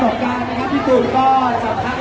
ขอบคุณมากนะคะแล้วก็แถวนี้ยังมีชาติของ